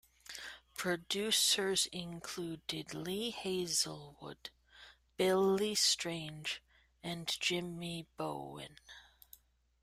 Producers included Lee Hazlewood, Billy Strange and Jimmy Bowen.